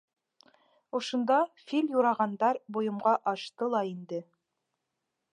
Ошонда Фил юрағандар бойомға ашты ла инде.